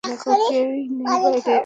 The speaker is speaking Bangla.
দেখ, কেউই নেই বাহিরে!